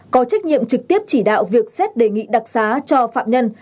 có trách nhiệm trực tiếp chỉ đạo việc xét đề nghị đặc xá cho phạm nhân